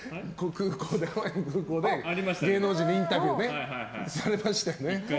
空港で芸能人にインタビューねされましたよね。